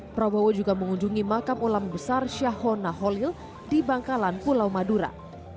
prabowo juga mengunjungi makam ulama besar syahona holil di bangkalan pulau madura